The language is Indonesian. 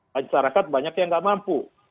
masyarakat banyak yang nggak mampu